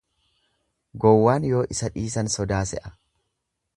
Gowwaan yoo isa dhiisan sodaa se'a.